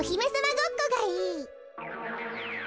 ごっこがいい。